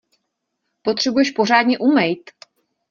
Potřebuješ pořádně umejt!